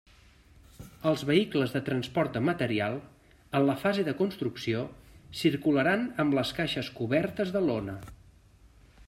Els vehicles de transport de material, en la fase de construcció, circularan amb les caixes cobertes de lona.